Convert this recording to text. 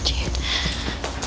terus terus dipanggil bunga